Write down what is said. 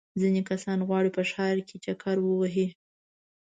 ځینې کسان غواړي په ښار کې چکر ووهي.